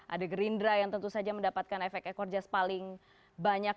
ada gerindra yang tentu saja mendapatkan efek ekor jas paling banyak